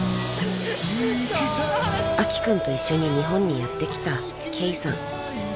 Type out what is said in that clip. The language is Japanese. ［明希君と一緒に日本にやって来たケイさん］